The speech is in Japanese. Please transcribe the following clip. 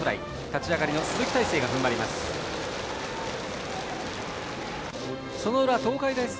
立ち上がりから鈴木泰成が踏ん張ります。